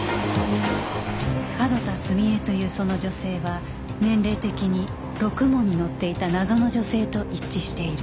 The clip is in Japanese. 角田澄江というその女性は年齢的にろくもんに乗っていた謎の女性と一致している